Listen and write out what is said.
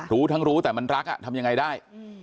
รู้ทั้งรู้แต่มันรักทำยังไงได้